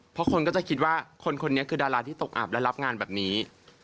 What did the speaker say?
เพราะคนก็จะคิดว่าคนคนนี้คือดาราที่ตกอับและรับงานแบบนี้